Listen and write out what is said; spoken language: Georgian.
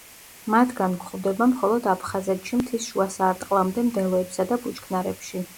მათგან გვხვდება მხოლოდ აფხაზეთში მთის შუა სარტყლამდე მდელოებსა და ბუჩქნარებში.